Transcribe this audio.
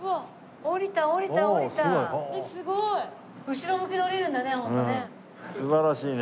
後ろ向きで下りるんだねホントね。